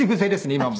今も。